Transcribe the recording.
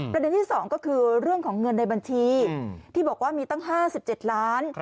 ประเด็นที่๒ก็คือเรื่องของเงินในบัญชีที่บอกว่ามีตั้ง๕๗ล้าน